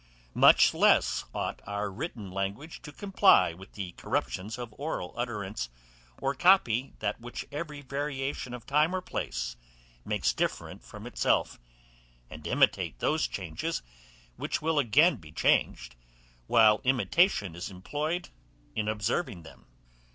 Much less ought our written language to comply with the corruptions of oral utterance, or copy that which every variation of time or place makes different from itself, and imitate those changes, which will again be changed, while imitation is employed in observing them.